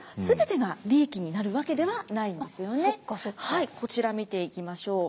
はいこちら見ていきましょう。